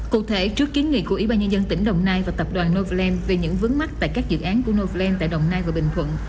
cụ thể trước kiến nghị của ủy ban nhân dân tỉnh đồng nai và tập đoàn novaland về những vướng mắt tại các dự án của novaland tại đồng nai và bình thuận